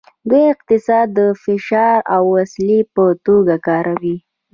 دوی اقتصاد د فشار د وسیلې په توګه کاروي